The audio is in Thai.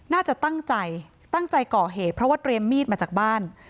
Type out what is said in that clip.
น่าจะตั้งใจตั้งใจก่อเหตุเพราะว่าเตรียมมีดมาจากบ้าน